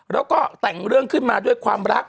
แล้วก็แต่งเรื่องขึ้นมาด้วยความรัก